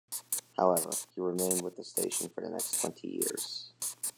However, he remained with the station for the next twenty years.